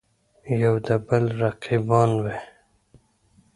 یودبل رقیبان وي.